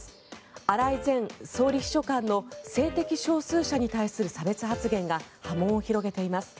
荒井前総理秘書官の性的少数者に対する差別発言が波紋を広げています。